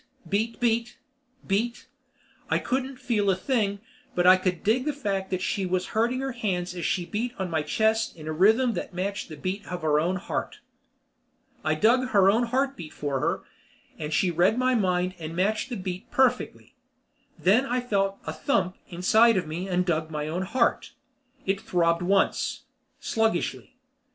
Beat beat. Beat. I couldn't feel a thing but I could dig the fact that she was hurting her hands as she beat on my chest in a rhythm that matched the beat of her own heart. I dug her own heartbeat for her, and she read my mind and matched the beat perfectly. Then I felt a thump inside of me and dug my own heart. It throbbed once, sluggishly.